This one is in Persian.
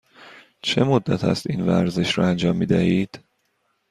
چه مدت است این ورزش را انجام می دهید؟